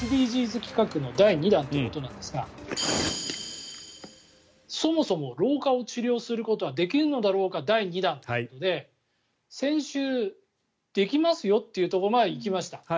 ＳＤＧｓ企画の第２弾ということですがそもそも、老化を治療することはできるのだろうか第２弾ということで先週、できますよというところまで行きました。